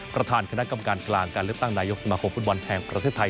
ประธานคณะกรรมการกลางการเลือกตั้งนายกสมาคมฟุตบอลแห่งประเทศไทย